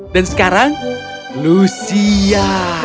dan sekarang lu si a